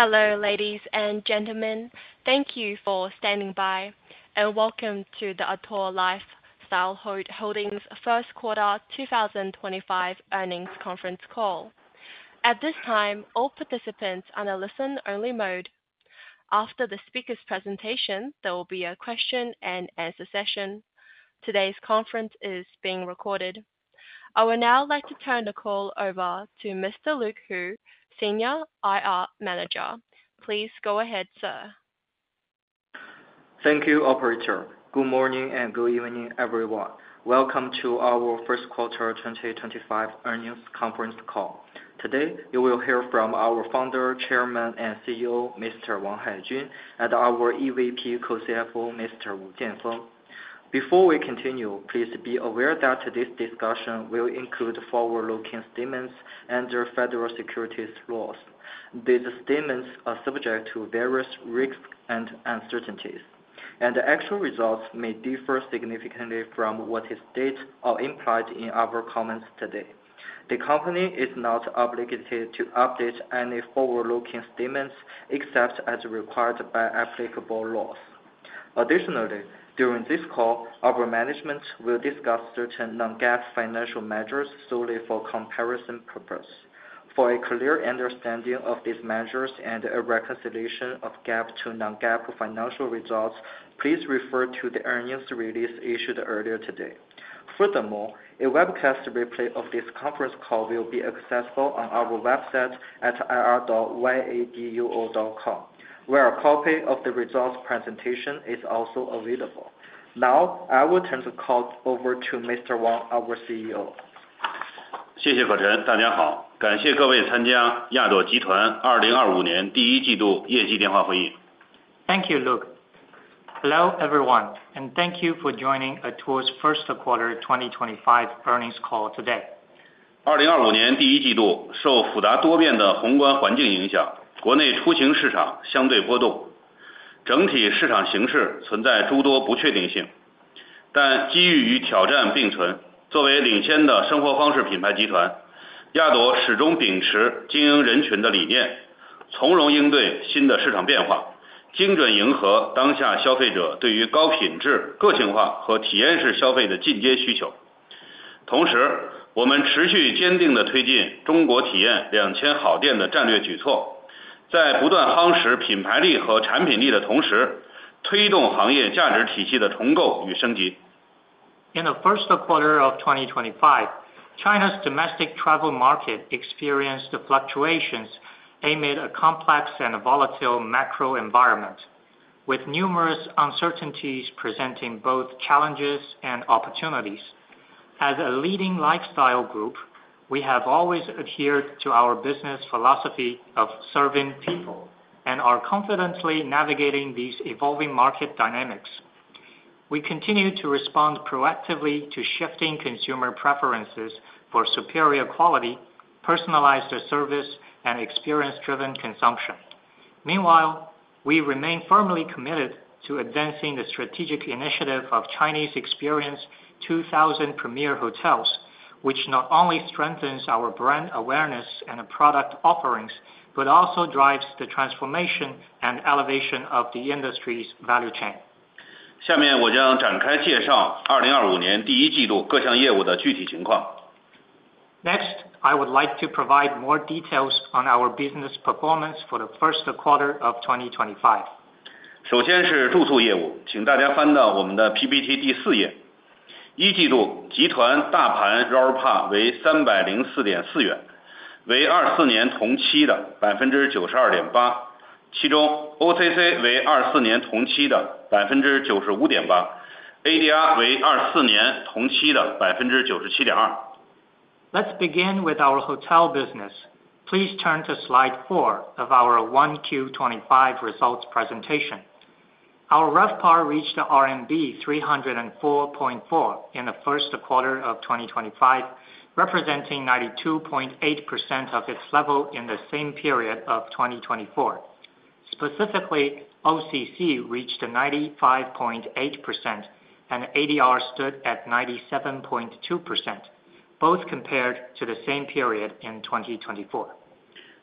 Hello, ladies and gentlemen. Thank you for standing by, and welcome to the Atour Lifestyle Holdings First Quarter 2025 earnings conference call. At this time, all participants are in a listen-only mode. After the speaker's presentation, there will be a question-and-answer session. Today's conference is being recorded. I would now like to turn the call over to Mr. Luke Hu, Senior IR Manager. Please go ahead, sir. Thank you, Operator. Good morning and good evening, everyone. Welcome to our First Quarter 2025 earnings conference call. Today, you will hear from our Founder, Chairman, and CEO, Mr. Wang Haijun, and our EVP Co-CFO, Mr. Wu Jianfeng. Before we continue, please be aware that this discussion will include forward-looking statements under federal securities laws. These statements are subject to various risks and uncertainties, and the actual results may differ significantly from what is stated or implied in our comments today. The company is not obligated to update any forward-looking statements except as required by applicable laws. Additionally, during this call, our management will discuss certain non-GAAP financial measures solely for comparison purposes. For a clear understanding of these measures and a reconciliation of GAAP to non-GAAP financial results, please refer to the earnings release issued earlier today. Furthermore, a webcast replay of this conference call will be accessible on our website at ir.atour.com, where a copy of the results presentation is also available. Now, I will turn the call over to Mr. Wang, our CEO. 谢谢主持人，大家好。感谢各位参加亚朵集团2025年第一季度业绩电话会议。Thank you, Luke. Hello, everyone, and thank you for joining Atour's first quarter 2025 earnings call today. In the first quarter of 2025, China's domestic travel market experienced fluctuations amid a complex and volatile macro environment, with numerous uncertainties presenting both challenges and opportunities. As a leading lifestyle group, we have always adhered to our business philosophy of serving people and are confidently navigating these evolving market dynamics. We continue to respond proactively to shifting consumer preferences for superior quality, personalized service, and experience-driven consumption. Meanwhile, we remain firmly committed to advancing the strategic initiative of Chinese Experience 2000 Premier Hotels, which not only strengthens our brand awareness and product offerings but also drives the transformation and elevation of the industry's value chain. 下面我将展开介绍2025年第一季度各项业务的具体情况。Next, I would like to provide more details on our business performance for the first quarter of 2025. 首先是住宿业务，请大家翻到我们的PPT第4页。一季度集团大盘RORPA为304.4元，为24年同期的92.8%。其中，OCC为24年同期的95.8%，ADR为24年同期的97.2%。Let's begin with our hotel business. Please turn to slide 4 of our 1Q25 results presentation. Our RevPAR reached RMB 304.4 in the first quarter of 2025, representing 92.8% of its level in the same period of 2024. Specifically, OCC reached 95.8%, and ADR stood at 97.2%, both compared to the same period in 2024.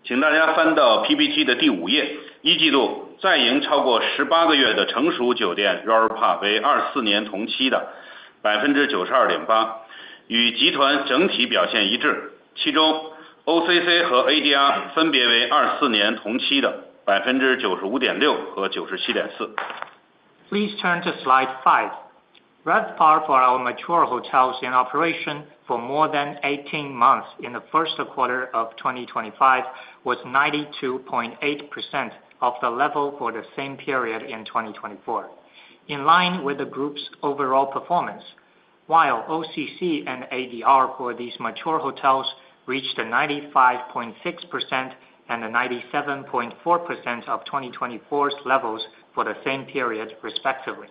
请大家翻到PPT的第5页。一季度在营超过18个月的成熟酒店RORPA为24年同期的92.8%，与集团整体表现一致。其中，OCC和ADR分别为24年同期的95.6%和97.4%。Please turn to slide 5. RevPAR for our mature hotels in operation for more than 18 months in the first quarter of 2025 was 92.8% of the level for the same period in 2024, in line with the group's overall performance, while OCC and ADR for these mature hotels reached 95.6% and 97.4% of 2024's levels for the same period, respectively.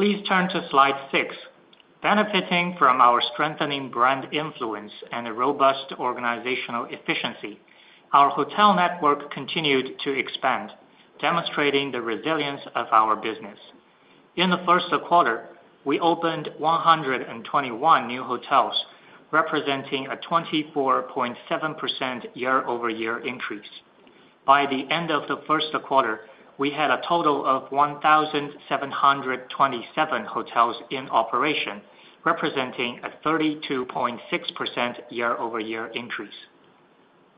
Please turn to slide 6. Benefiting from our strengthening brand influence and robust organizational efficiency, our hotel network continued to expand, demonstrating the resilience of our business. In the first quarter, we opened 121 new hotels, representing a 24.7% year-over-year increase. By the end of the first quarter, we had a total of 1,727 hotels in operation, representing a 32.6% year-over-year increase.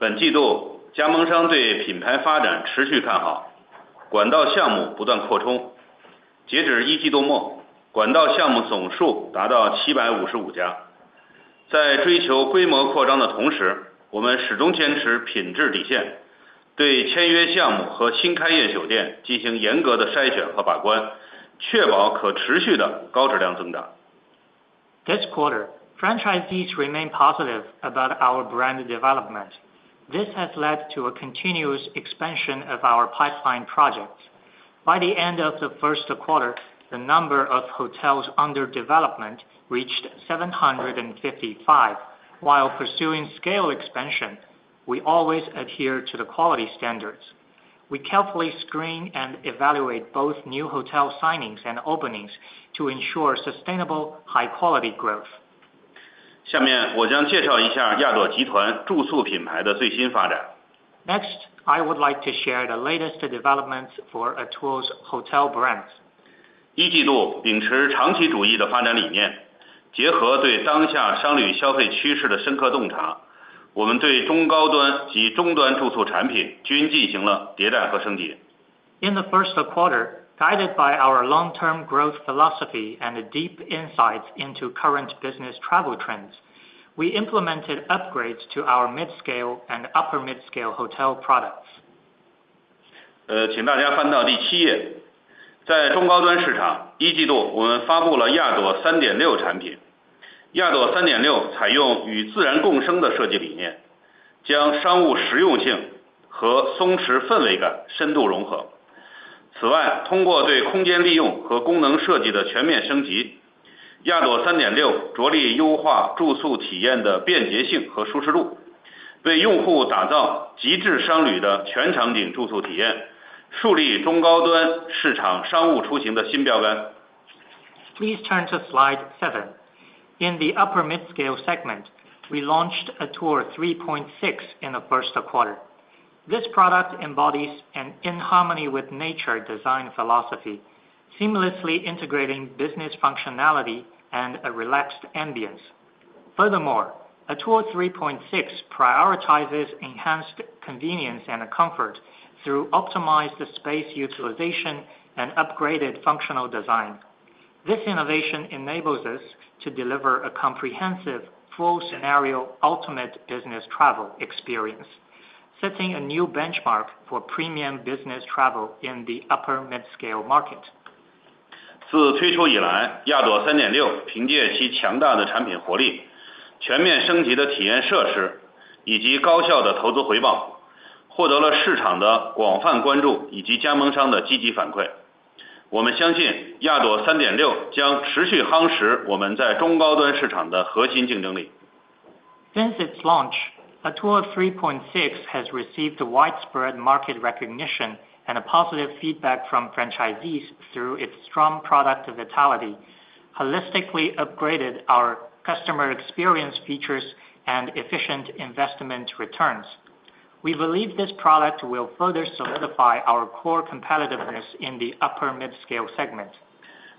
本季度，加盟商对品牌发展持续看好，管道项目不断扩充。截止一季度末，管道项目总数达到755家。在追求规模扩张的同时，我们始终坚持品质底线，对签约项目和新开业酒店进行严格的筛选和把关，确保可持续的高质量增长。This quarter, franchisees remain positive about our brand development. This has led to a continuous expansion of our pipeline projects. By the end of the first quarter, the number of hotels under development reached 755. While pursuing scale expansion, we always adhere to the quality standards. We carefully screen and evaluate both new hotel signings and openings to ensure sustainable high-quality growth. 下面我将介绍一下亚朵集团住宿品牌的最新发展。Next, I would like to share the latest developments for Atour's hotel brands. 一季度秉持长期主义的发展理念，结合对当下商旅消费趋势的深刻洞察，我们对中高端及终端住宿产品均进行了迭代和升级。In the first quarter, guided by our long-term growth philosophy and deep insights into current business travel trends, we implemented upgrades to our mid-scale and upper-mid-scale hotel products. 请大家翻到第7页。在中高端市场，一季度我们发布了亚朵3.6产品。亚朵3.6采用与自然共生的设计理念，将商务实用性和松弛氛围感深度融合。此外，通过对空间利用和功能设计的全面升级，亚朵3.6着力优化住宿体验的便捷性和舒适度，为用户打造极致商旅的全场景住宿体验，树立中高端市场商务出行的新标杆。Please turn to slide 7. In the upper-mid-scale segment, we launched Atour 3.6 in the first quarter. This product embodies an in-harmony-with-nature design philosophy, seamlessly integrating business functionality and a relaxed ambiance. Furthermore, Atour 3.6 prioritizes enhanced convenience and comfort through optimized space utilization and upgraded functional design. This innovation enables us to deliver a comprehensive full-scale ultimate business travel experience, setting a new benchmark for premium business travel in the upper-mid-scale market. 自推出以来，亚朵3.6凭借其强大的产品活力、全面升级的体验设施以及高效的投资回报，获得了市场的广泛关注以及加盟商的积极反馈。我们相信，亚朵3.6将持续夯实我们在中高端市场的核心竞争力。Since its launch, Atour 3.6 has received widespread market recognition and positive feedback from franchisees through its strong product vitality, holistically upgraded our customer experience features, and efficient investment returns. We believe this product will further solidify our core competitiveness in the upper-midscale segment.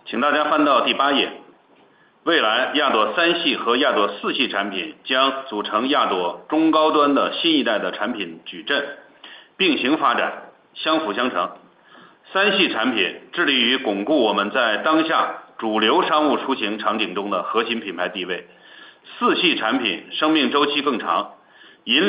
请大家翻到第8页。未来，亚朵3系和亚朵4系产品将组成亚朵中高端的新一代的产品矩阵，并行发展，相辅相成。3系产品致力于巩固我们在当下主流商务出行场景中的核心品牌地位，4系产品生命周期更长，引领未来中高端市场的发展方向。3系和4系产品协同，不仅可以满足当今用户多元化的审美偏好和住宿需求，也为广大加盟商提供了更丰富的投资选择。此外，对于有改造需求的存量酒店，我们也推出了亚朵3.5SE焕新方案，使其持续保持市场竞争力。Please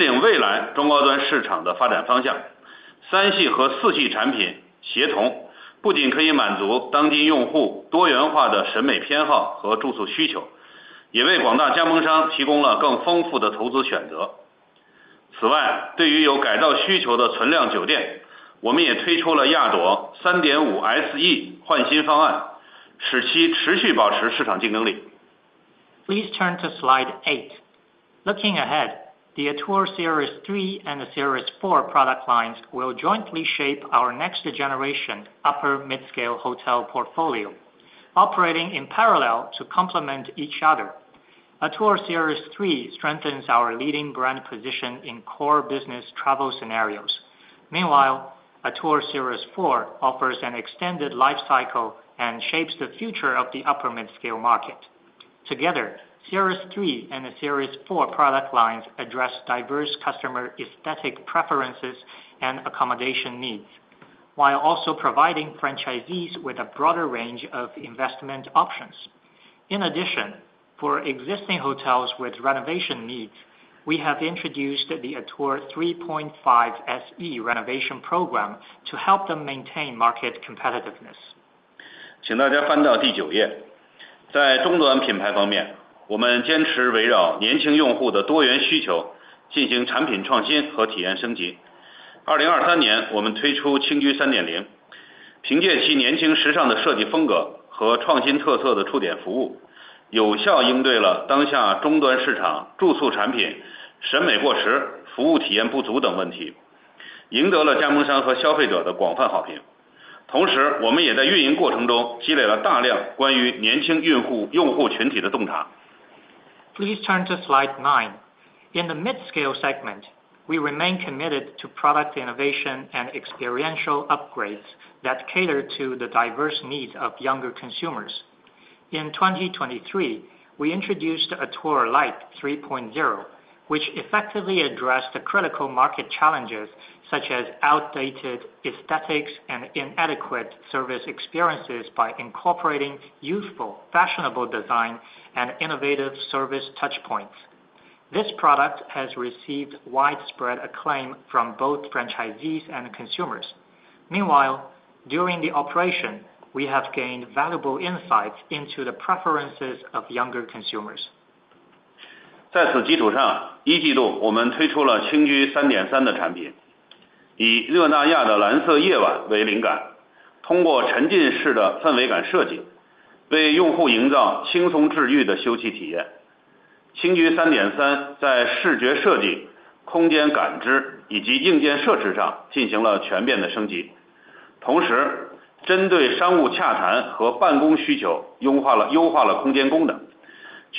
turn to slide 8. Looking ahead, the Atour Series 3 and the Series 4 product lines will jointly shape our next-generation upper-midscale hotel portfolio, operating in parallel to complement each other. Atour Series 3 strengthens our leading brand position in core business travel scenarios. Meanwhile, Atour Series 4 offers an extended lifecycle and shapes the future of the upper-midscale market. Together, Series 3 and the Series 4 product lines address diverse customer aesthetic preferences and accommodation needs, while also providing franchisees with a broader range of investment options. In addition, for existing hotels with renovation needs, we have introduced the Atour 3.5SE renovation program to help them maintain market competitiveness. Please turn to slide 9. In the mid-scale segment, we remain committed to product innovation and experiential upgrades that cater to the diverse needs of younger consumers. In 2023, we introduced Atour Lifestyle 3.0, which effectively addressed critical market challenges such as outdated aesthetics and inadequate service experiences by incorporating youthful, fashionable design and innovative service touchpoints. This product has received widespread acclaim from both franchisees and consumers. Meanwhile, during the operation, we have gained valuable insights into the preferences of younger consumers.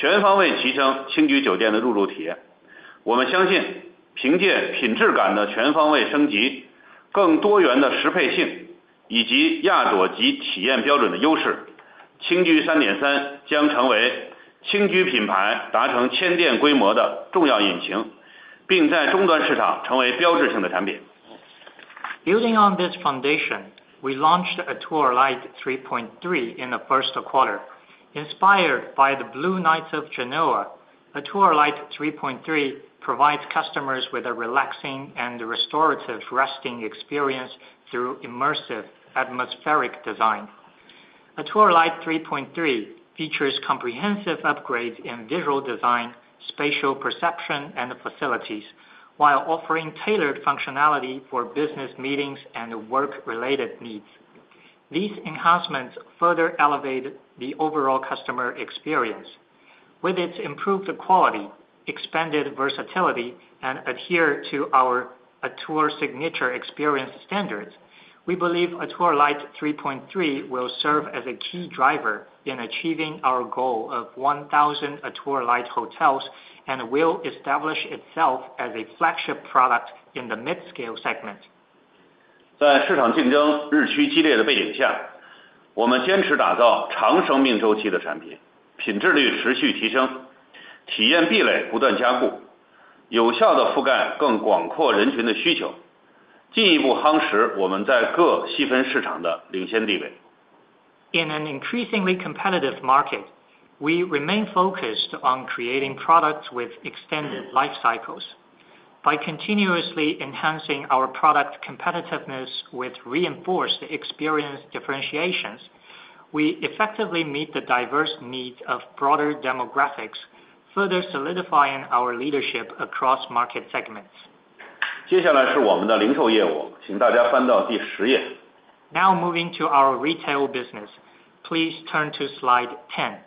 Building on this foundation, we launched Atour Lifestyle 3.3 in the first quarter. Inspired by the Blue Nights of Genoa, Atour Lifestyle 3.3 provides customers with a relaxing and restorative resting experience through immersive atmospheric design. Atour Lifestyle 3.3 features comprehensive upgrades in visual design, spatial perception, and facilities, while offering tailored functionality for business meetings and work-related needs. These enhancements further elevate the overall customer experience. With its improved quality, expanded versatility, and adhered to our Atour signature experience standards, we believe Atour Lifestyle 3.3 will serve as a key driver in achieving our goal of 1,000 Atour Lifestyle hotels and will establish itself as a flagship product in the mid-scale segment. 在市场竞争日趋激烈的背景下，我们坚持打造长生命周期的产品，品质率持续提升，体验壁垒不断加固，有效地覆盖更广阔人群的需求，进一步夯实我们在各细分市场的领先地位。In an increasingly competitive market, we remain focused on creating products with extended lifecycles. By continuously enhancing our product competitiveness with reinforced experience differentiations, we effectively meet the diverse needs of broader demographics, further solidifying our leadership across market segments. 接下来是我们的零售业务，请大家翻到第10页。Now moving to our retail business, please turn to slide 10.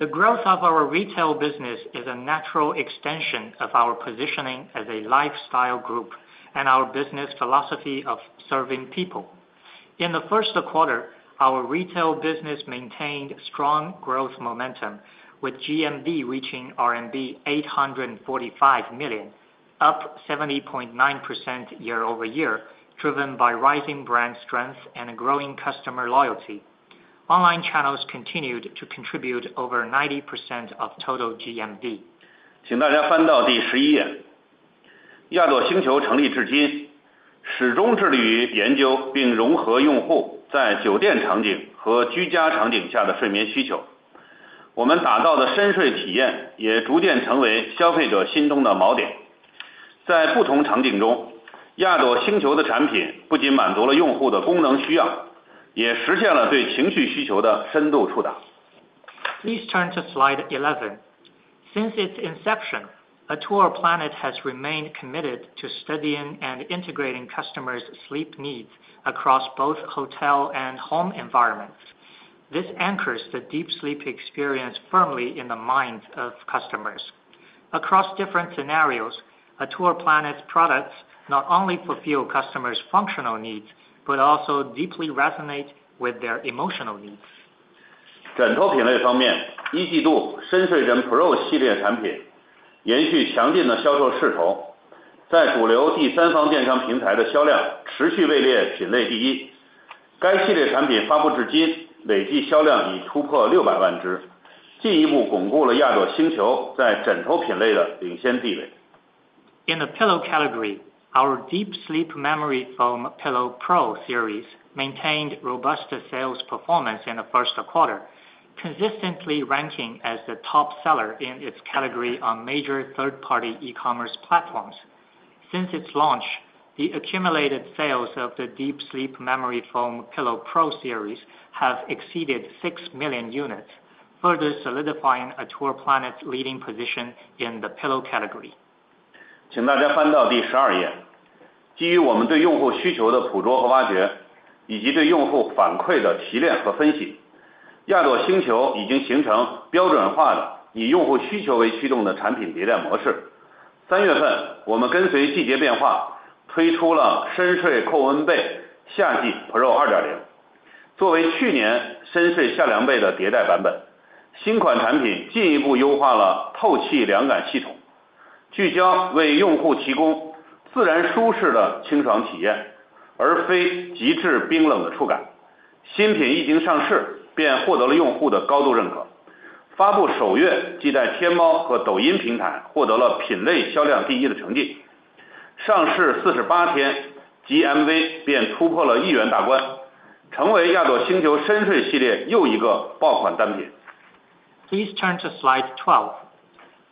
The growth of our retail business is a natural extension of our positioning as a lifestyle group and our business philosophy of serving people. In the first quarter, our retail business maintained strong growth momentum, with GMV reaching RMB 845 million, up 70.9% year-over-year, driven by rising brand strength and growing customer loyalty. Online channels continued to contribute over 90% of total GMV. 请大家翻到第11页。亚朵星球成立至今，始终致力于研究并融合用户在酒店场景和居家场景下的睡眠需求。我们打造的深睡体验也逐渐成为消费者心中的锚点。在不同场景中，亚朵星球的产品不仅满足了用户的功能需要，也实现了对情绪需求的深度触达。Please turn to slide 11. Since its inception, Atour Planet has remained committed to studying and integrating customers' sleep needs across both hotel and home environments. This anchors the deep sleep experience firmly in the minds of customers. Across different scenarios, Atour Planet's products not only fulfill customers' functional needs but also deeply resonate with their emotional needs. 枕头品类方面，一季度深睡枕Pro系列产品延续强劲的销售势头，在主流第三方电商平台的销量持续位列品类第一。该系列产品发布至今，累计销量已突破600万支，进一步巩固了亚朵星球在枕头品类的领先地位。In the pillow category, our Deep Sleep Memory Foam Pillow Pro series maintained robust sales performance in the first quarter, consistently ranking as the top seller in its category on major third-party e-commerce platforms. Since its launch, the accumulated sales of the Deep Sleep Memory Foam Pillow Pro series have exceeded 6 million units, further solidifying Atour Planet's leading position in the pillow category. Please turn to slide 12.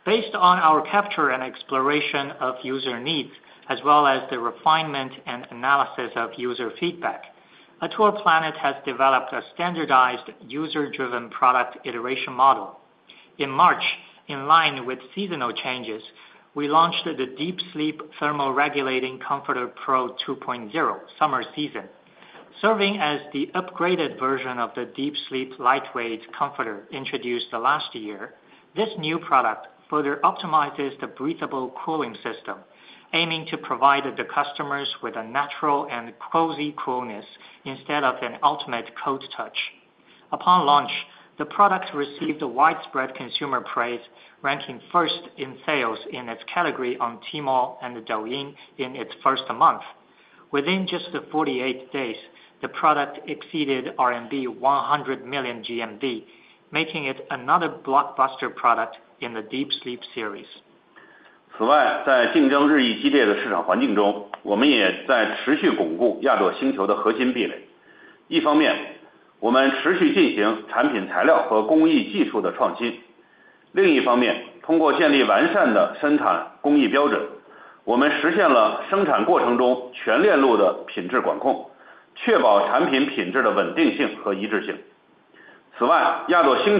Based on our capture and exploration of user needs, as well as the refinement and analysis of user feedback, Atour Planet has developed a standardized user-driven product iteration model. In March, in line with seasonal changes, we launched the Deep Sleep Thermoregulating Comforter Pro 2.0 Summer Season. Serving as the upgraded version of the Deep Sleep Lightweight Comforter introduced last year, this new product further optimizes the breathable cooling system, aiming to provide the customers with a natural and cozy coolness instead of an ultimate coat touch. Upon launch, the product received widespread consumer praise, ranking first in sales in its category on Tmall and Douyin in its first month. Within just 48 days, the product exceeded RMB 100 million GMV, making it another blockbuster product in the Deep Sleep series. 此外，在竞争日益激烈的市场环境中，我们也在持续巩固亚朵星球的核心壁垒。一方面，我们持续进行产品材料和工艺技术的创新；另一方面，通过建立完善的生产工艺标准，我们实现了生产过程中全链路的品质管控，确保产品品质的稳定性和一致性。此外，亚朵星球持续从用户需求出发，优化产品细节，提升使用体验。凭借不断提升的产品性能和品质，亚朵星球精准满足用户对高品质生活的追求，在产品质量和用户体验等维度上定义新的行业标准。In addition,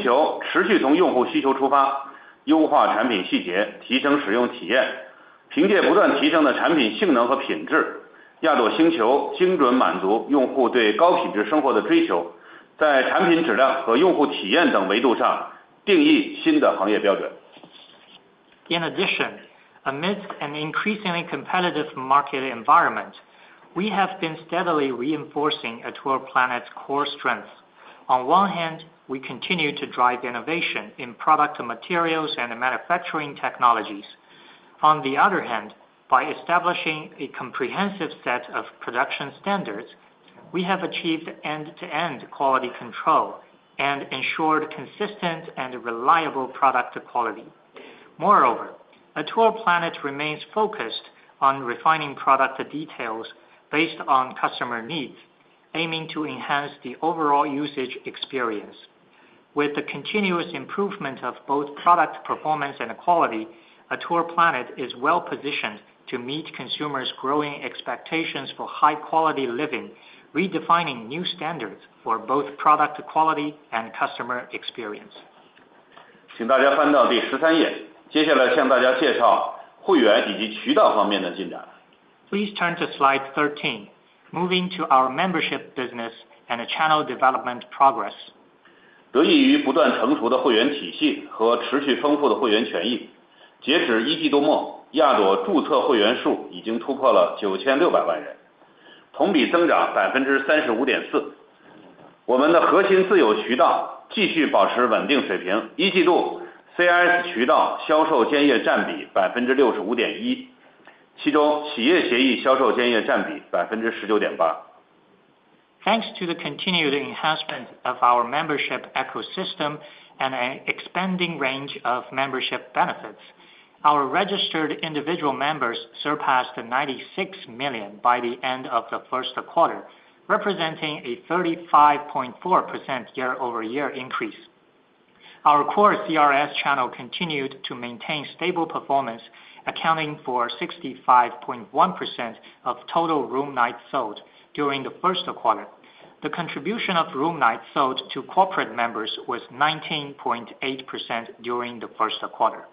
amidst an increasingly competitive market environment, we have been steadily reinforcing Atour Planet's core strengths. On one hand, we continue to drive innovation in product materials and manufacturing technologies. On the other hand, by establishing a comprehensive set of production standards, we have achieved end-to-end quality control and ensured consistent and reliable product quality. Moreover, Atour Planet remains focused on refining product details based on customer needs, aiming to enhance the overall usage experience. With the continuous improvement of both product performance and quality, Atour Planet is well positioned to meet consumers' growing expectations for high-quality living, redefining new standards for both product quality and customer experience. 请大家翻到第13页。接下来向大家介绍会员以及渠道方面的进展。Please turn to slide 13, moving to our membership business and channel development progress. 得益于不断成熟的会员体系和持续丰富的会员权益，截止一季度末，亚朵注册会员数已经突破了9,600万人，同比增长35.4%。我们的核心自有渠道继续保持稳定水平，一季度CIS渠道销售间业占比65.1%，其中企业协议销售间业占比19.8%。Thanks to the continued enhancement of our membership ecosystem and an expanding range of membership benefits, our registered individual members surpassed 96 million by the end of the first quarter, representing a 35.4% year-over-year increase. Our core CRS channel continued to maintain stable performance, accounting for 65.1% of total room nights sold during the first quarter. The contribution of room nights sold to corporate members was 19.8% during the first quarter.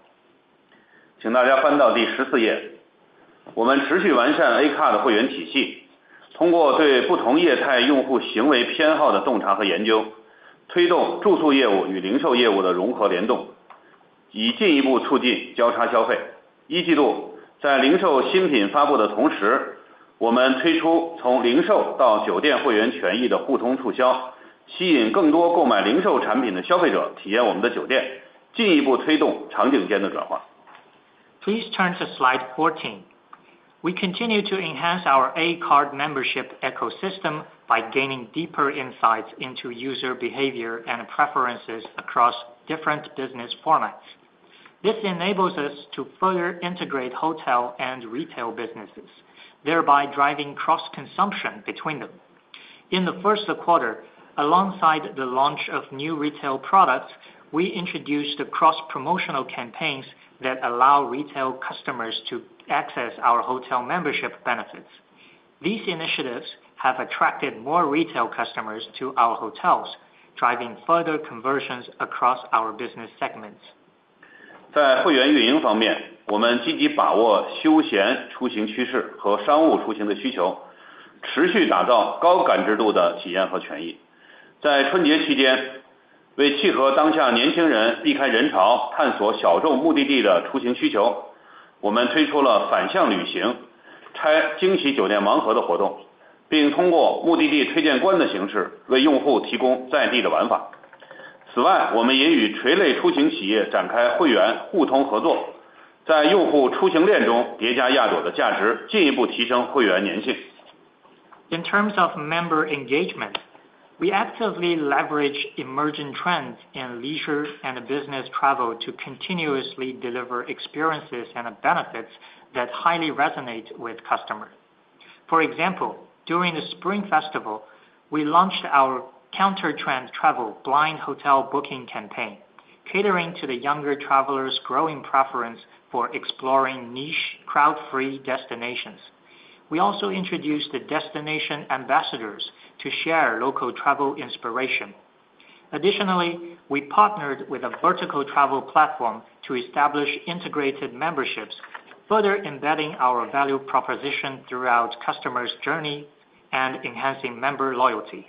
请大家翻到第14页。我们持续完善A卡的会员体系，通过对不同业态用户行为偏好的洞察和研究，推动住宿业务与零售业务的融合联动，以进一步促进交叉消费。一季度，在零售新品发布的同时，我们推出从零售到酒店会员权益的互通促销，吸引更多购买零售产品的消费者体验我们的酒店，进一步推动场景间的转化。Please turn to slide 14. We continue to enhance our A Card membership ecosystem by gaining deeper insights into user behavior and preferences across different business formats. This enables us to further integrate hotel and retail businesses, thereby driving cross-consumption between them. In the first quarter, alongside the launch of new retail products, we introduced cross-promotional campaigns that allow retail customers to access our hotel membership benefits. These initiatives have attracted more retail customers to our hotels, driving further conversions across our business segments. In terms of member engagement, we actively leverage emerging trends in leisure and business travel to continuously deliver experiences and benefits that highly resonate with customers. For example, during the Spring Festival, we launched our counter-trend travel blind hotel booking campaign, catering to the younger travelers' growing preference for exploring niche, crowd-free destinations. We also introduced the Destination Ambassadors to share local travel inspiration. Additionally, we partnered with a vertical travel platform to establish integrated memberships, further embedding our value proposition throughout customers' journey and enhancing member loyalty.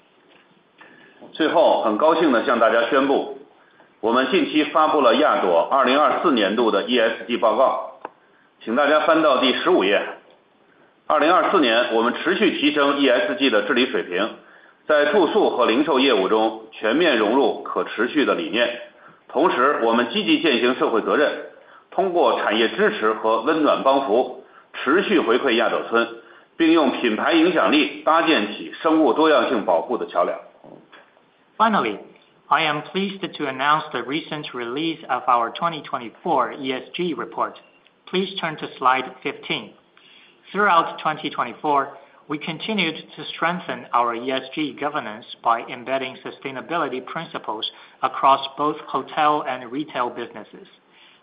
Finally, I am pleased to announce the recent release of our 2024 ESG report. Please turn to slide 15. Throughout 2024, we continued to strengthen our ESG governance by embedding sustainability principles across both hotel and retail businesses.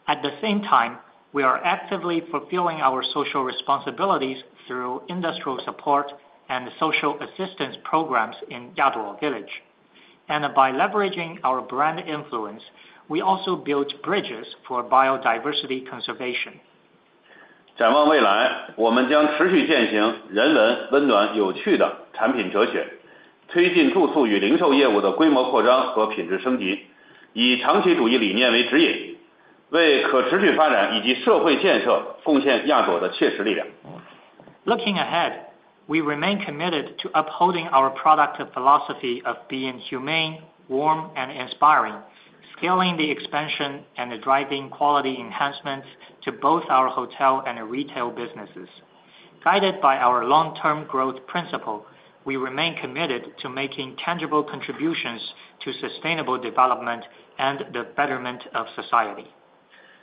At the same time, we are actively fulfilling our social responsibilities through industrial support and social assistance programs in Jadwal Village. By leveraging our brand influence, we also built bridges for biodiversity conservation. 展望未来，我们将持续践行人文、温暖、有趣的产品哲学，推进住宿与零售业务的规模扩张和品质升级，以长期主义理念为指引，为可持续发展以及社会建设贡献亚朵的切实力量。Looking ahead, we remain committed to upholding our product philosophy of being humane, warm, and inspiring, scaling the expansion and driving quality enhancements to both our hotel and retail businesses. Guided by our long-term growth principle, we remain committed to making tangible contributions to sustainable development and the betterment of society.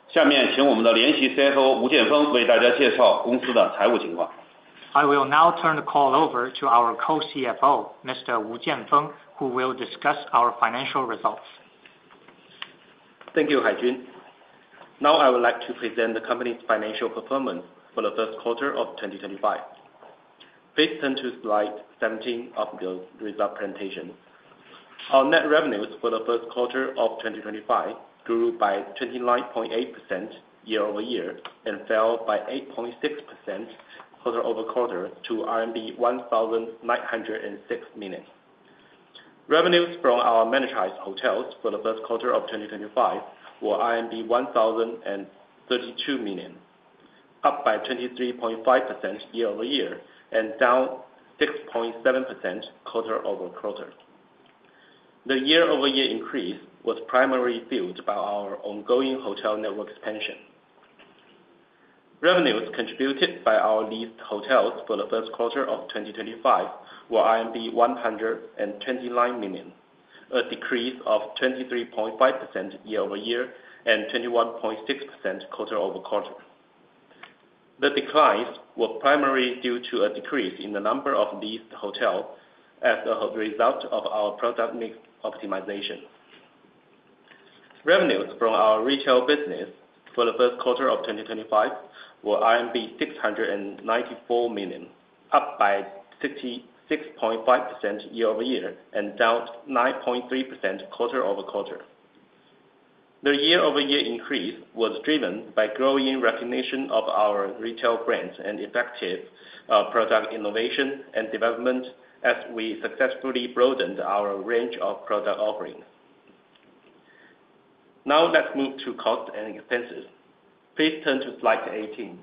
下面请我们的联席CFO吴建峰为大家介绍公司的财务情况。I will now turn the call over to our Co-CFO, Mr. Wu Jianfeng, who will discuss our financial results. Thank you, Haijun. Now, I would like to present the company's financial performance for the first quarter of 2025. Please turn to slide 17 of the result presentation. Our net revenues for the first quarter of 2025 grew by 29.8% year-over-year and fell by 8.6% quarter-over-quarter to CNY 1,906 million. Revenues from our manachised hotels for the first quarter of 2025 were 1,032 million, up by 23.5% year-over-year and down 6.7% quarter-over-quarter. The year-over-year increase was primarily fueled by our ongoing hotel network expansion. Revenues contributed by our leased hotels for the first quarter of 2025 were 129 million, a decrease of 23.5% year-over-year and 21.6% quarter-over-quarter. The declines were primarily due to a decrease in the number of leased hotels as a result of our product mix optimization. Revenues from our retail business for the first quarter of 2025 were 694 million, up by 66.5% year-over-year and down 9.3% quarter-over-quarter. The year-over-year increase was driven by growing recognition of our retail brands and effective product innovation and development as we successfully broadened our range of product offerings. Now, let's move to costs and expenses. Please turn to slide 18.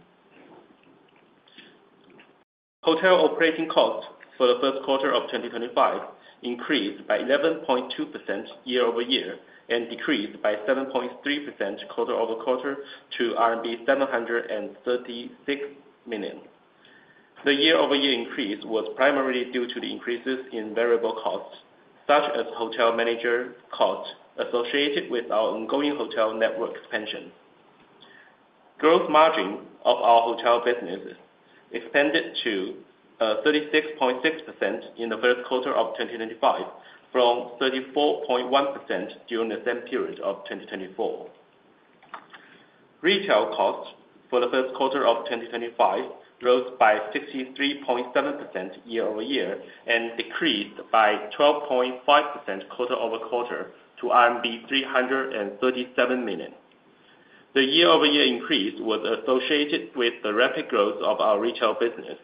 Hotel operating costs for the first quarter of 2025 increased by 11.2% year-over-year and decreased by 7.3% quarter-over-quarter to RMB 736 million. The year-over-year increase was primarily due to the increases in variable costs, such as hotel manager costs associated with our ongoing hotel network expansion. Gross margin of our hotel business expanded to 36.6% in the first quarter of 2025 from 34.1% during the same period of 2024. Retail costs for the first quarter of 2025 rose by 63.7% year-over-year and decreased by 12.5% quarter-over-quarter to RMB 337 million. The year-over-year increase was associated with the rapid growth of our retail business.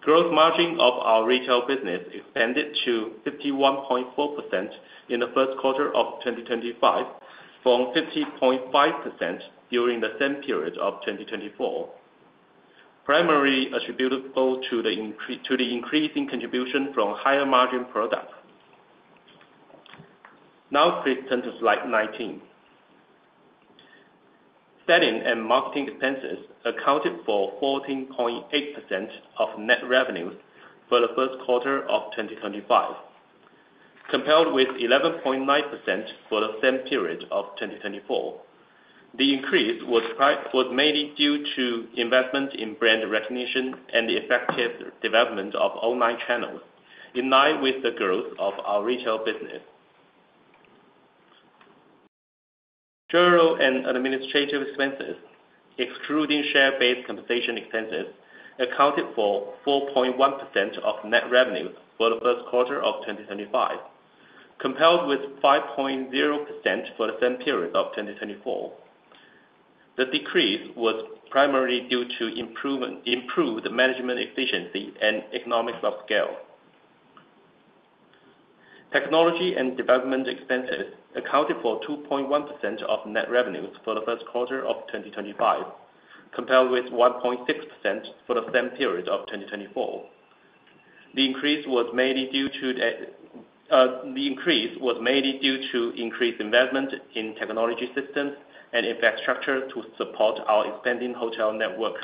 Gross margin of our retail business expanded to 51.4% in the first quarter of 2025 from 50.5% during the same period of 2024, primarily attributable to the increasing contribution from higher margin products. Now, please turn to slide 19. Selling and marketing expenses accounted for 14.8% of net revenues for the first quarter of 2025, compared with 11.9% for the same period of 2024. The increase was mainly due to investment in brand recognition and the effective development of online channels, in line with the growth of our retail business. General and administrative expenses, excluding share-based compensation expenses, accounted for 4.1% of net revenues for the first quarter of 2025, compared with 5.0% for the same period of 2024. The decrease was primarily due to improved management efficiency and economics of scale. Technology and development expenses accounted for 2.1% of net revenues for the first quarter of 2025, compared with 1.6% for the same period of 2024. The increase was mainly due to increased investment in technology systems and infrastructure to support our expanding hotel network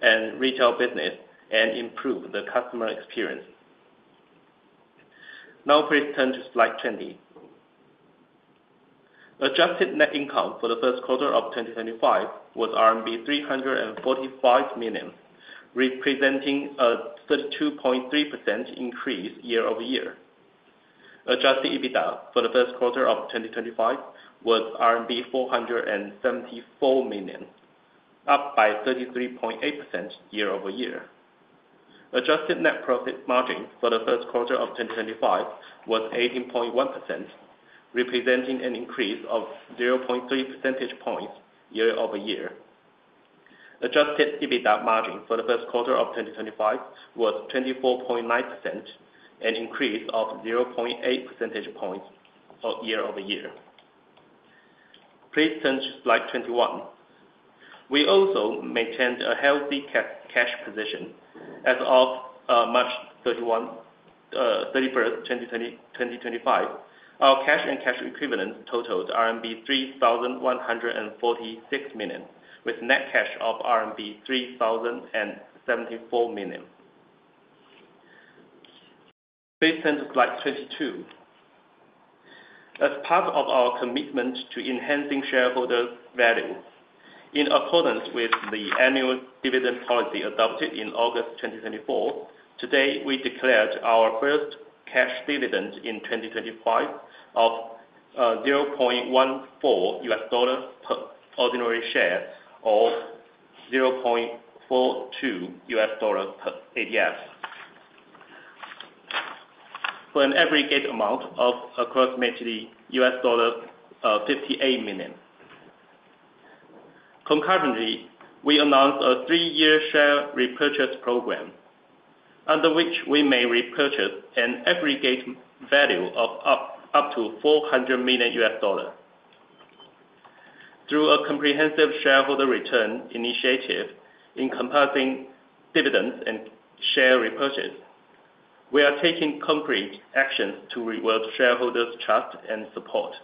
and retail business and improve the customer experience. Now, please turn to slide 20. Adjusted net income for the first quarter of 2025 was RMB 345 million, representing a 32.3% increase year-over-year. Adjusted EBITDA for the first quarter of 2025 was RMB 474 million, up by 33.8% year-over-year. Adjusted net profit margin for the first quarter of 2025 was 18.1%, representing an increase of 0.3 percentage points year-over-year. Adjusted EBITDA margin for the first quarter of 2025 was 24.9%, an increase of 0.8 percentage points year-over-year. Please turn to slide 21. We also maintained a healthy cash position. As of March 31, 2025, our cash and cash equivalents totaled RMB 3,146 million, with net cash of RMB 3,074 million. Please turn to slide 22. As part of our commitment to enhancing shareholder value, in accordance with the annual dividend policy adopted in August 2024, today we declared our first cash dividend in 2025 of CNY 0.14 per ordinary share or CNY 0.42 per ADS, for an aggregate amount of approximately CNY 58 million. Concurrently, we announced a three-year share repurchase program, under which we may repurchase an aggregate value of up to CNY 400 million. Through a comprehensive shareholder return initiative in comparison dividends and share repurchase, we are taking concrete actions to reward shareholders' trust and support,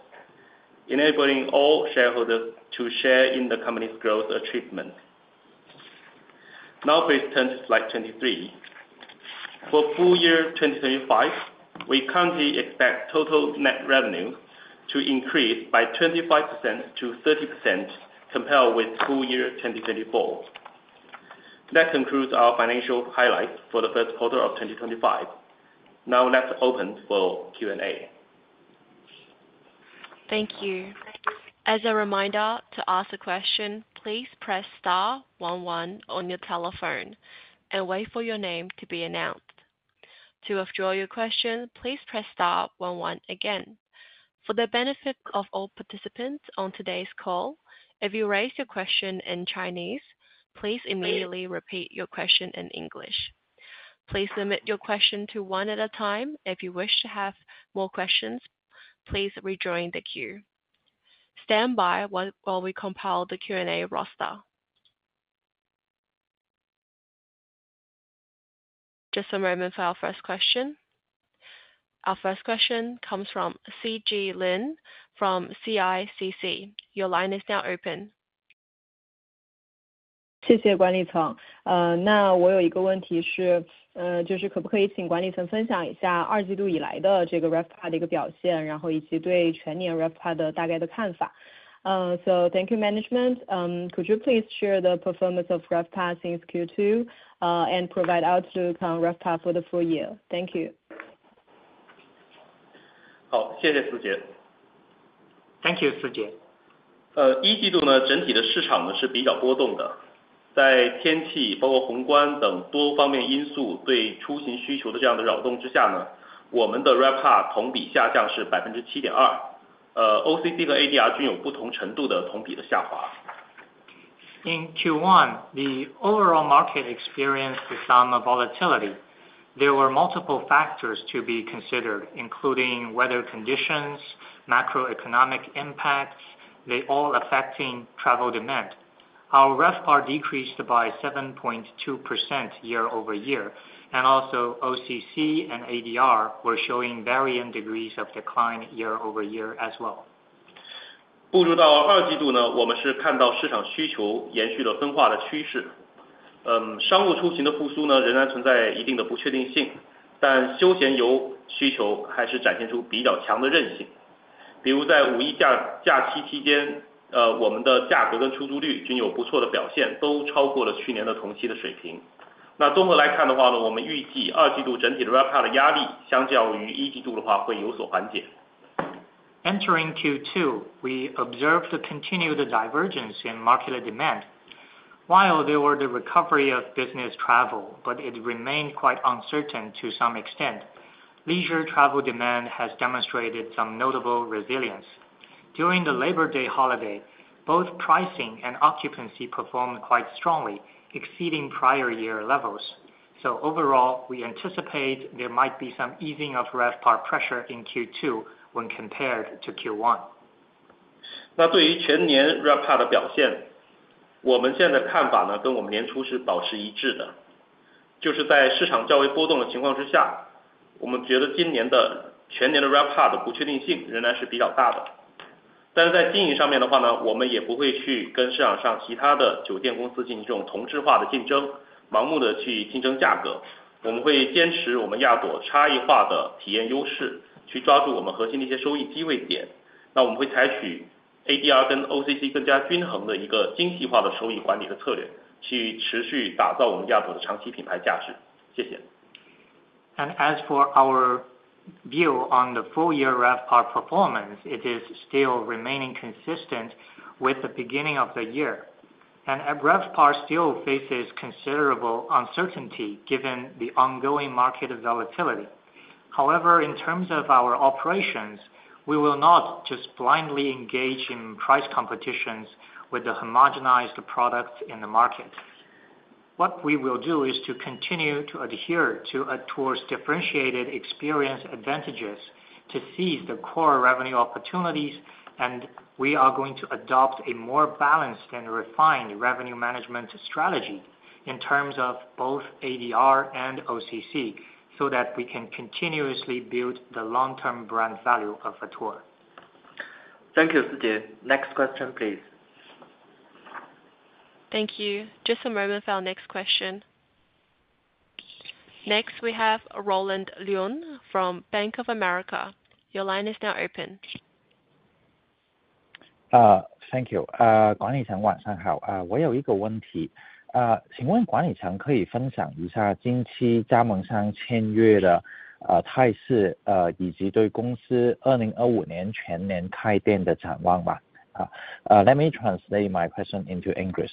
enabling all shareholders to share in the company's growth achievement. Now, please turn to slide 23. For full year 2025, we currently expect total net revenue to increase by 25%-30%, compared with full year 2024. That concludes our financial highlights for the first quarter of 2025. Now, let's open for Q&A. Thank you. As a reminder to ask a question, please press star 11 on your telephone and wait for your name to be announced. To withdraw your question, please press star 11 again. For the benefit of all participants on today's call, if you raise your question in Chinese, please immediately repeat your question in English. Please limit your question to one at a time. If you wish to have more questions, please rejoin the queue. Stand by while we compile the Q&A roster. Just a moment for our first question. Our first question comes from CG Lin from CICC. Your line is now open. CC管理层，那我有一个问题是，就是可不可以请管理层分享一下二季度以来的这个RevPAR的一个表现，然后以及对全年RevPAR的大概的看法。So thank you, management. Could you please share the performance of RevPAR since Q2 and provide outlook on RevPAR for the full year? Thank you. 好，谢谢思杰。Thank you, Sijie. 一季度整体的市场是比较波动的，在天气，包括宏观等多方面因素对出行需求的这样的扰动之下，我们的RevPath同比下降是7.2%。OCC和ADR均有不同程度的同比的下滑。In Q1, the overall market experienced some volatility. There were multiple factors to be considered, including weather conditions, macroeconomic impacts, they all affecting travel demand. Our RevPAR decreased by 7.2% year-over-year, and also OCC and ADR were showing varying degrees of decline year-over-year as well. 不知道二季度我们是看到市场需求延续了分化的趋势，商务出行的复苏仍然存在一定的不确定性，但休闲游需求还是展现出比较强的韧性。比如在五一假期期间，我们的价格跟出租率均有不错的表现，都超过了去年的同期的水平。综合来看的话，我们预计二季度整体的RevPath的压力相较于一季度的话会有所缓解。Entering Q2, we observed the continued divergence in market demand. While there was the recovery of business travel, it remained quite uncertain to some extent. Leisure travel demand has demonstrated some notable resilience. During the Labor Day holiday, both pricing and occupancy performed quite strongly, exceeding prior year levels. Overall, we anticipate there might be some easing of RevPAR pressure in Q2 when compared to Q1. 那对于全年RevPath的表现，我们现在的看法跟我们年初是保持一致的。就是在市场较为波动的情况之下，我们觉得今年的全年的RevPath的不确定性仍然是比较大的。但是在经营上面的话，我们也不会去跟市场上其他的酒店公司进行这种同质化的竞争，盲目的去竞争价格。我们会坚持我们亚朵差异化的体验优势，去抓住我们核心的一些收益机会点。那我们会采取ADR跟OCC更加均衡的一个精细化的收益管理的策略，去持续打造我们亚朵的长期品牌价值。谢谢。As for our view on the full year RevPAR performance, it is still remaining consistent with the beginning of the year. RevPAR still faces considerable uncertainty given the ongoing market volatility. However, in terms of our operations, we will not just blindly engage in price competitions with the homogenized products in the market. What we will do is to continue to adhere towards differentiated experience advantages to seize the core revenue opportunities, and we are going to adopt a more balanced and refined revenue management strategy in terms of both ADR and OCC so that we can continuously build the long-term brand value of Atour. Thank you, Sijie. Next question, please. Thank you. Just a moment for our next question. Next, we have Roland Lun from Bank of America. Your line is now open. hotel openings? Let me translate my question into English.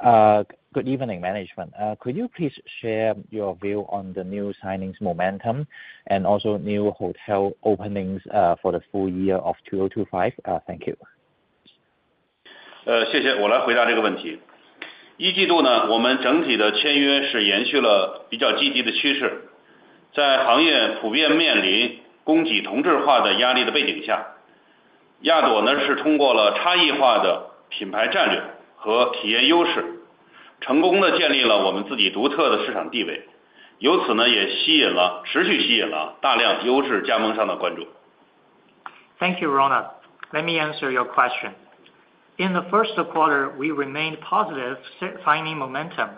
Good evening, management. Could you please share your view on the new signings momentum and also new hotel openings, for the full year of 2025? Thank you. 呃，谢谢，我来回答这个问题。一季度呢，我们整体的签约是延续了比较积极的趋势。在行业普遍面临供给同质化的压力的背景下，亚朵呢是通过了差异化的品牌战略和体验优势，成功地建立了我们自己独特的市场地位，由此呢也吸引了，持续吸引了大量优质加盟商的关注。Thank you, Roland. Let me answer your question. In the first quarter, we remained positive, signing momentum.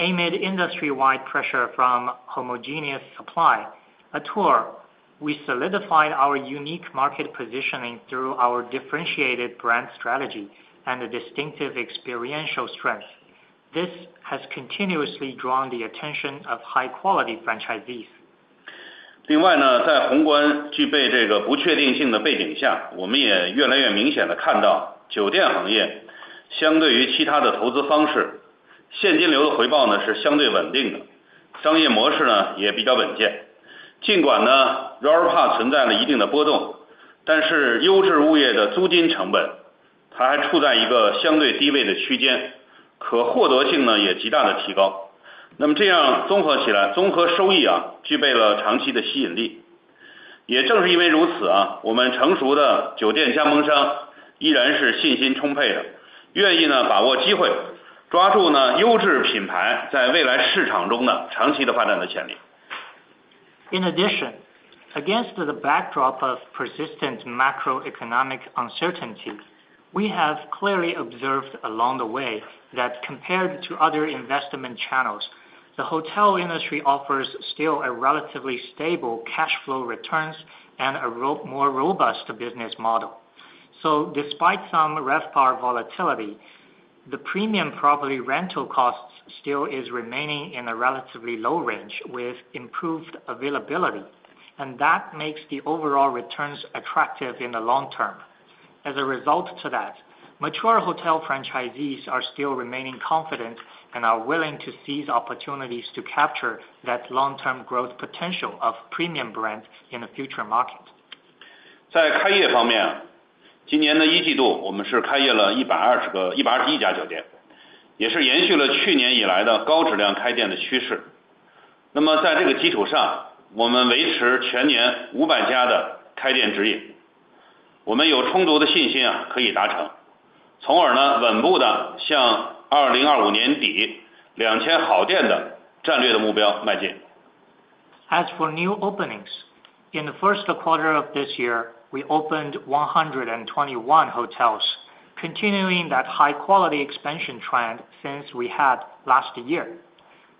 Amid industry-wide pressure from homogeneous supply, Atour, we solidified our unique market positioning through our differentiated brand strategy and distinctive experiential strength. This has continuously drawn the attention of high-quality franchisees. In addition, against the backdrop of persistent macroeconomic uncertainty, we have clearly observed along the way that compared to other investment channels, the hotel industry offers still a relatively stable cash flow returns and a more robust business model. Despite some RevPAR volatility, the premium property rental cost still is remaining in a relatively low range with improved availability, and that makes the overall returns attractive in the long term. As a result to that, mature hotel franchisees are still remaining confident and are willing to seize opportunities to capture that long-term growth potential of premium brands in the future market. 在开业方面，今年的一季度我们是开业了120个121家酒店，也是延续了去年以来的高质量开店的趋势。那么在这个基础上，我们维持全年500家的开店指引，我们有充足的信心啊，可以达成，从而呢稳步地向2025年底2000好店的战略的目标迈进。As for new openings, in the first quarter of this year, we opened 121 hotels, continuing that high-quality expansion trend since we had last year.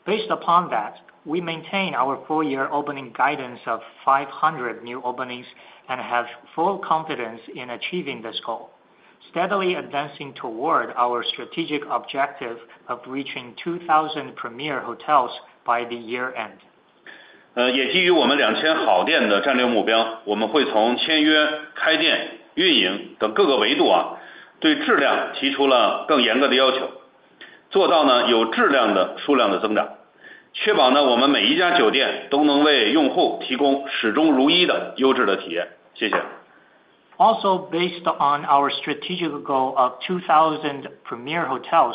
Based upon that, we maintain our full year opening guidance of 500 new openings and have full confidence in achieving this goal, steadily advancing toward our strategic objective of reaching 2,000 premier hotels by the year end. 也基于我们2000好店的战略目标，我们会从签约、开店、运营等各个维度啊，对质量提出了更严格的要求，做到呢有质量的数量的增长，确保呢我们每一家酒店都能为用户提供始终如一的优质的体验。谢谢。Also, based on our strategic goal of 2,000 premier hotels,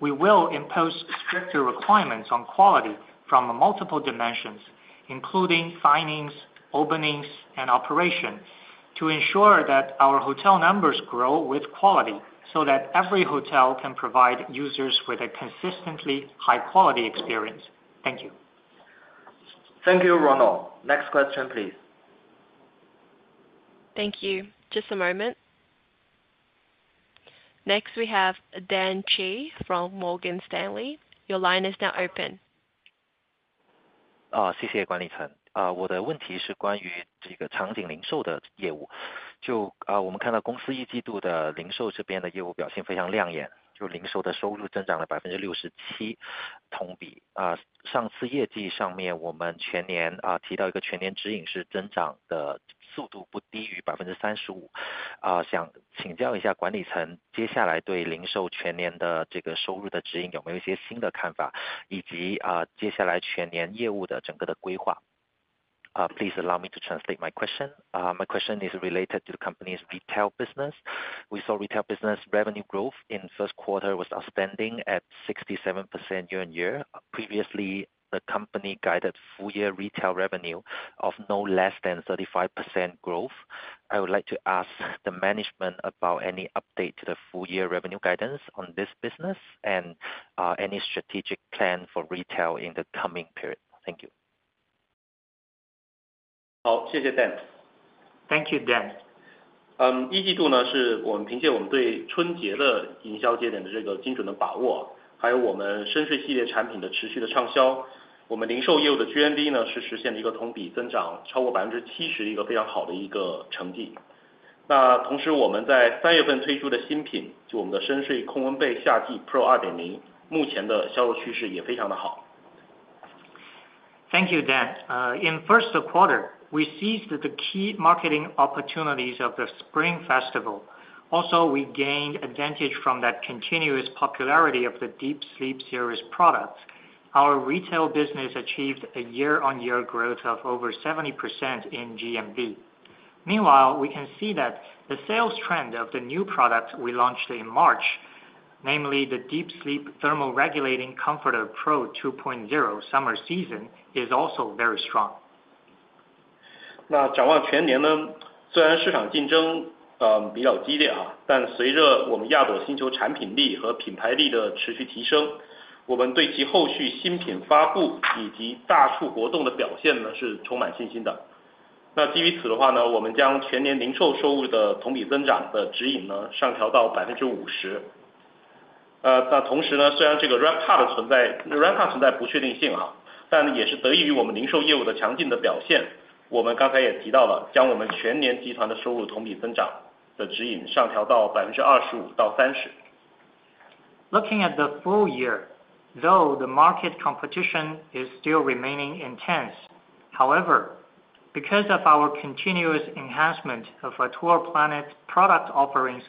we will impose stricter requirements on quality from multiple dimensions, including signings, openings, and operation, to ensure that our hotel numbers grow with quality so that every hotel can provide users with a consistently high-quality experience. Thank you. Thank you, Ronald. Next question, please. Thank you. Just a moment. Next, we have Dan Che from Morgan Stanley. Your line is now open. year. Please allow me to translate my question. My question is related to the company's retail business. We saw retail business revenue growth in first quarter was outstanding at 67% year on year. Previously, the company guided full year retail revenue of no less than 35% growth. I would like to ask the management about any update to the full year revenue guidance on this business and, any strategic plan for retail in the coming period. Thank you. 好，谢谢 Dan。Thank you, Dan. Um, in the first quarter, we seized the key marketing opportunities of the Spring Festival. Also, we gained advantage from the continuous popularity of the Deep Sleep series products. Our retail business achieved a year-on-year growth of over 70% in GMV. Meanwhile, we can see that the sales trend of the new product we launched in March, namely the Deep Sleep Thermoregulating Comforter Pro 2.0 Summer, is also very strong. Looking at the full year, though the market competition is still remaining intense, however, because of our continuous enhancement of Atour Planet's product offerings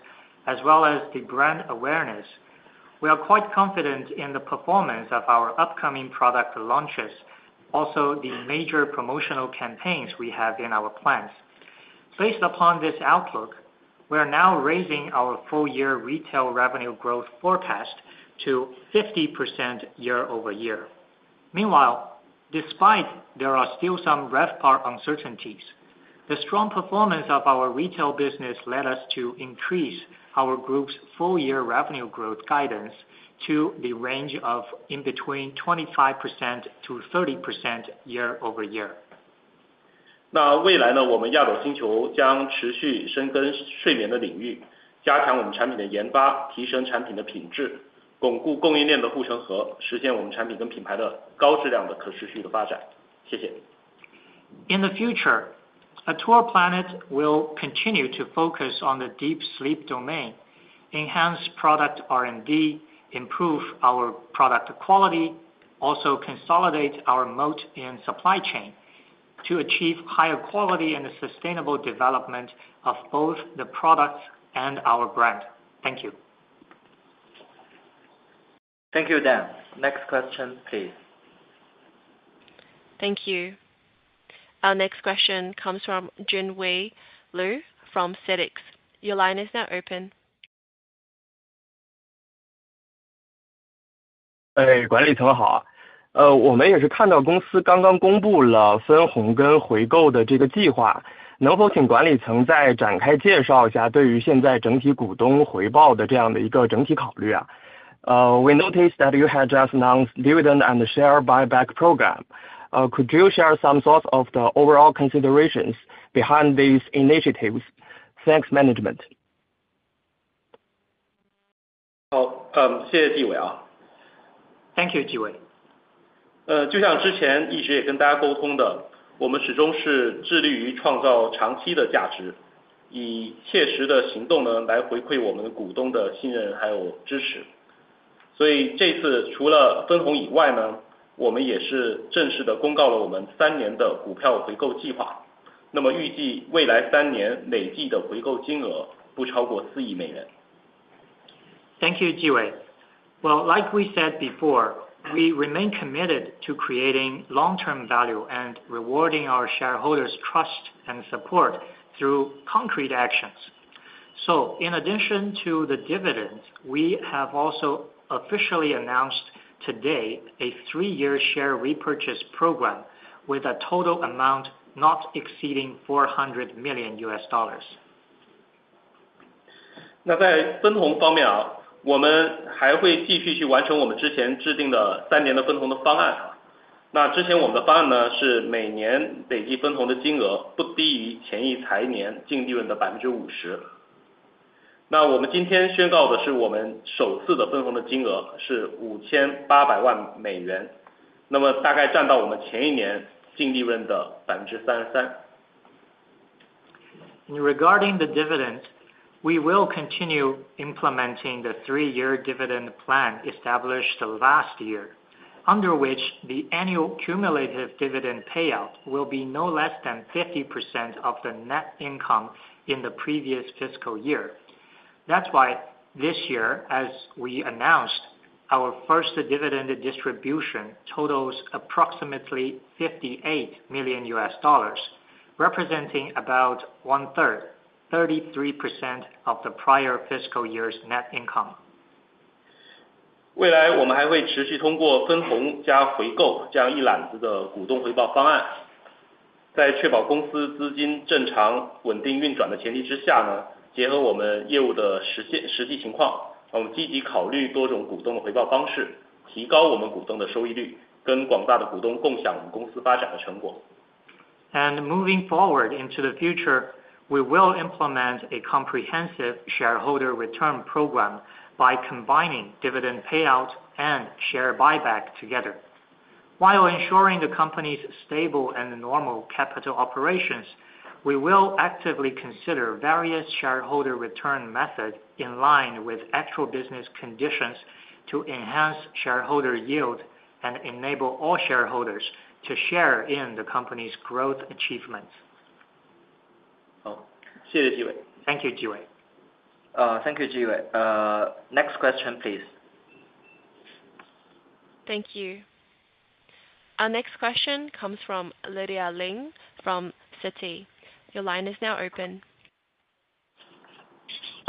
as well as the brand awareness, we are quite confident in the performance of our upcoming product launches, also the major promotional campaigns we have in our plans. Based upon this outlook, we are now raising our full year retail revenue growth forecast to 50% year over year. Meanwhile, despite there are still some RevPAR uncertainties, the strong performance of our retail business led us to increase our group's full year revenue growth guidance to the range of 25%-30% year over year. 那未来呢，我们亚朵星球将持续深耕睡眠的领域，加强我们产品的研发，提升产品的品质，巩固供应链的护城河，实现我们产品跟品牌的高质量的可持续的发展。谢谢。In the future, Atour Planet will continue to focus on the Deep Sleep domain, enhance product R&D, improve our product quality, also consolidate our moat in supply chain to achieve higher quality and sustainable development of both the products and our brand. Thank you. Thank you, Dan. Next question, please. Thank you. Our next question comes from Jin Wei Lu from Cedecs. Your line is now open. Um, we noticed that you had just announced dividend and share buyback program. Could you share some thoughts of the overall considerations behind these initiatives? Thanks, management. 好，嗯，谢谢纪伟啊。Thank you, Jiwei. 呃，就像之前一直也跟大家沟通的，我们始终是致力于创造长期的价值，以切实的行动呢来回馈我们的股东的信任还有支持。所以这次除了分红以外呢，我们也是正式的公告了我们三年的股票回购计划，那么预计未来三年累计的回购金额不超过4亿美元。Thank you, Jiwei. Like we said before, we remain committed to creating long-term value and rewarding our shareholders' trust and support through concrete actions. In addition to the dividends, we have also officially announced today a three-year share repurchase program with a total amount not exceeding CNY 400 million. 那在分红方面啊，我们还会继续去完成我们之前制定的三年的分红的方案啊。那之前我们的方案呢是每年累计分红的金额不低于前一财年净利润的50%。那我们今天宣告的是我们首次的分红的金额是5,800万美元，那么大概占到我们前一年净利润的33%。Regarding the dividends, we will continue implementing the three-year dividend plan established last year, under which the annual cumulative dividend payout will be no less than 50% of the net income in the previous fiscal year. That's why this year, as we announced, our first dividend distribution totals approximately CNY 58 million, representing about one-third, 33% of the prior fiscal year's net income. 未来我们还会持续通过分红加回购这样一揽子的股东回报方案，在确保公司资金正常稳定运转的前提之下呢，结合我们业务的实际情况，我们积极考虑多种股东的回报方式，提高我们股东的收益率，跟广大的股东共享我们公司发展的成果。Moving forward into the future, we will implement a comprehensive shareholder return program by combining dividend payout and share buyback together. While ensuring the company's stable and normal capital operations, we will actively consider various shareholder return methods in line with actual business conditions to enhance shareholder yield and enable all shareholders to share in the company's growth achievements. 好，谢谢Jiwei。Thank you, Jin Wei. thank you, Jiwei. Next question, please. Thank you. Our next question comes from Lydia Ling from Citi. Your line is now open.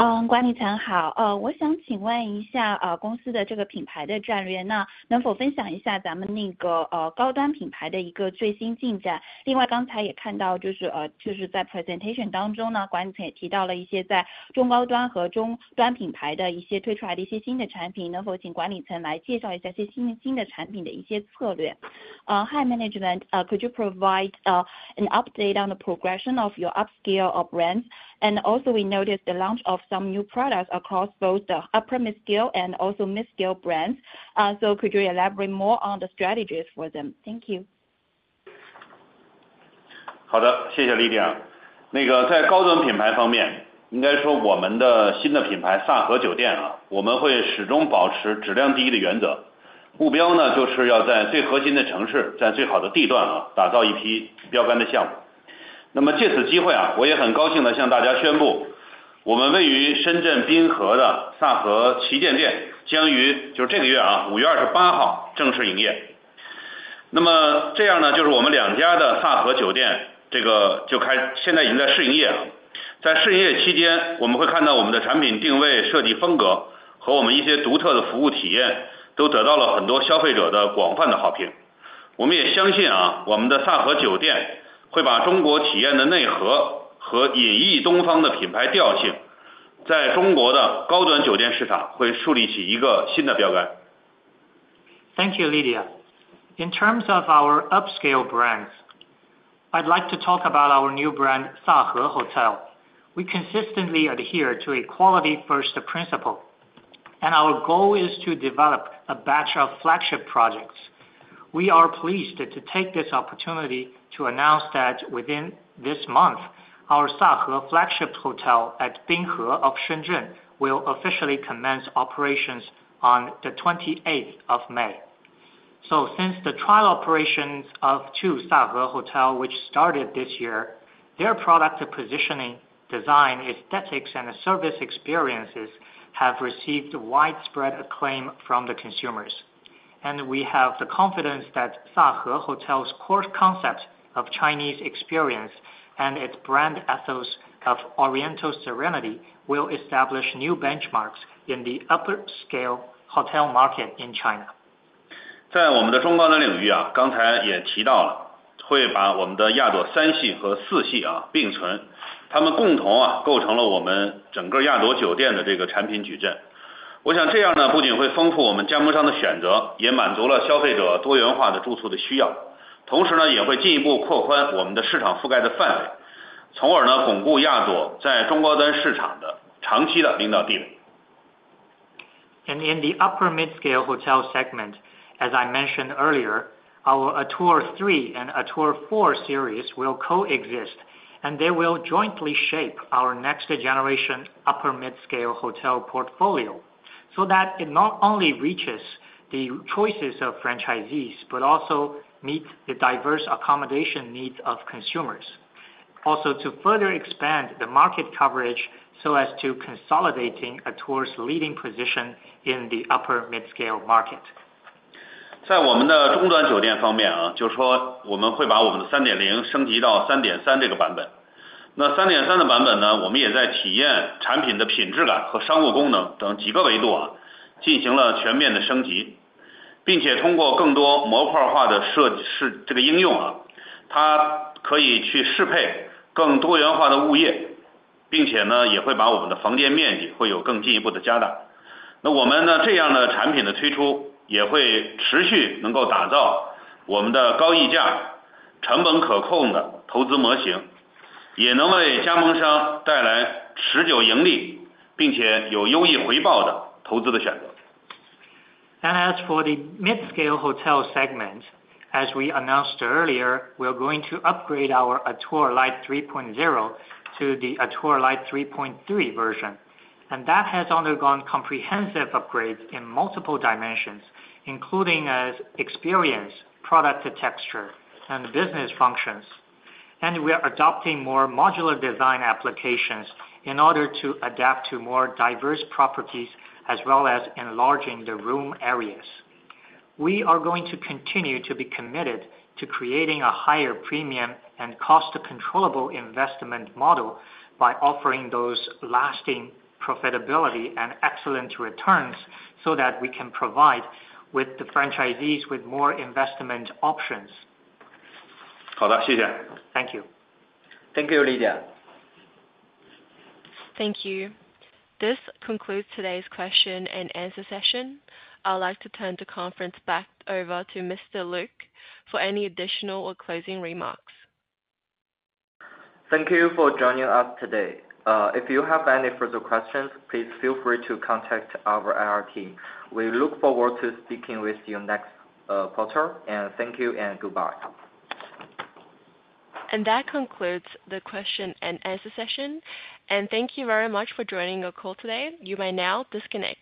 嗯，管理层好。呃，我想请问一下呃，公司的这个品牌的战略，那能否分享一下咱们那个呃，高端品牌的一个最新进展？另外刚才也看到就是呃，就是在presentation当中呢，管理层也提到了一些在中高端和中端品牌的一些推出来的一些新的产品，能否请管理层来介绍一下这些新的产品的一些策略？ Hi management, could you provide an update on the progression of your upscale of brands? And also we noticed the launch of some new products across both the upper midscale and also midscale brands. Could you elaborate more on the strategies for them? Thank you. Thank you, Lydia. In terms of our upscale brands, I'd like to talk about our new brand Sahe Hotel. We consistently adhere to a quality-first principle, and our goal is to develop a batch of flagship projects. We are pleased to take this opportunity to announce that within this month, our Sahe Flagship Hotel at Binhe of Shenzhen will officially commence operations on the 28th of May. Since the trial operations of two Sahe Hotels, which started this year, their product positioning, design, aesthetics, and service experiences have received widespread acclaim from the consumers. We have the confidence that Sahe Hotel's core concept of Chinese experience and its brand ethos of Oriental serenity will establish new benchmarks in the upscale hotel market in China. 在我们的中高端领域啊，刚才也提到了，会把我们的亚朵三系和四系啊并存，他们共同啊构成了我们整个亚朵酒店的这个产品矩阵。我想这样呢，不仅会丰富我们加盟商的选择，也满足了消费者多元化的住宿的需要。同时呢，也会进一步扩宽我们的市场覆盖的范围，从而呢巩固亚朵在中高端市场的长期的领导地位。In the upper midscale hotel segment, as I mentioned earlier, our Atour Series 3 and Atour Series 4 will coexist, and they will jointly shape our next generation upper midscale hotel portfolio so that it not only reaches the choices of franchisees but also meets the diverse accommodation needs of consumers. Also, to further expand the market coverage so as to consolidate Atour's leading position in the upper midscale market. As for the midscale hotel segment, as we announced earlier, we are going to upgrade our Atour Light 3.0 to the Atour Light 3.3 version, and that has undergone comprehensive upgrades in multiple dimensions, including experience, product texture, and business functions. We are adopting more modular design applications in order to adapt to more diverse properties as well as enlarging the room areas. We are going to continue to be committed to creating a higher premium and cost-controllable investment model by offering those lasting profitability and excellent returns so that we can provide the franchisees with more investment options. 好的，谢谢。Thank you. Thank you, Lydia. Thank you. This concludes today's question and answer session. I'd like to turn the conference back over to Mr. Luke for any additional or closing remarks. Thank you for joining us today. If you have any further questions, please feel free to contact our IR team. We look forward to speaking with you next quarter, and thank you and goodbye. That concludes the question and answer session, and thank you very much for joining our call today. You may now disconnect.